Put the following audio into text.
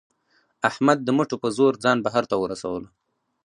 احمد د مټو په زور ځان بهر ته ورسولو.